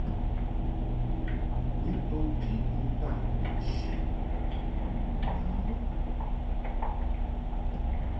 Bɨ to tiʼ ni ntaʼ nchi ma no.